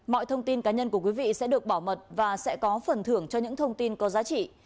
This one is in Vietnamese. mọi thông tin cá nhân của quý vị sẽ được bảo mật và sẽ có phần thưởng cho những thông tin có giá trị